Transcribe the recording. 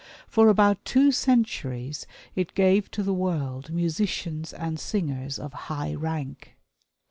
For about two centuries it gave to the world musicians and singers of high rank.